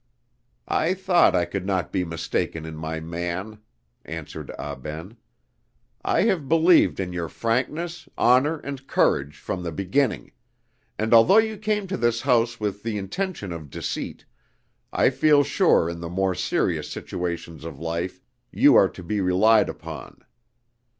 "I thought I could not be mistaken in my man," answered Ah Ben. "I have believed in your frankness, honor, and courage from the beginning; and although you came to this house with the intention of deceit, I feel sure that in the more serious situations of life you are to be relied upon.